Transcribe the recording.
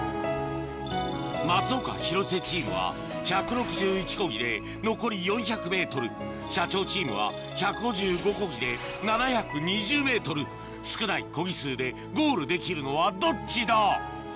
松岡・広瀬チームは１６１コギで残り４００ｍ社長チームは１５５コギで７２０ｍ少ないコギ数でゴールできるのはどっちだ？